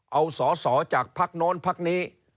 เอาสอสอจากพักโน้นพักนี้